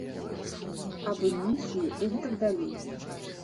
Аб эмісіі і гэтак далей.